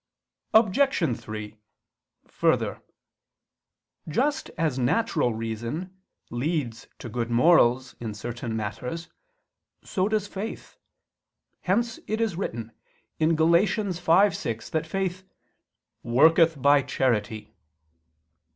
Obj. 3: Further, just as natural reason leads to good morals in certain matters, so does faith: hence it is written (Gal. 5:6) that faith "worketh by charity."